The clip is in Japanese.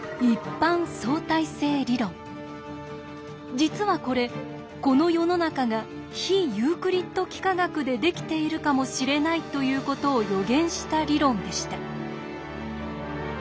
実はこれこの世の中が非ユークリッド幾何学でできているかもしれないということを予言した理論でした。